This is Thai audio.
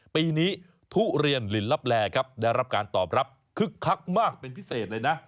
ปีนี้ทุเรียนลินลับแลครับได้รับการตอบรับคึกคักมากเป็นพิเศษเลยนะ